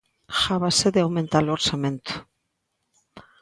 Gábase de aumentar o orzamento.